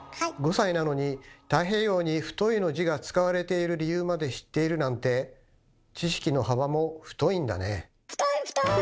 ５歳なのに太平洋に「太」の字が使われている理由まで知っているなんて太い太い！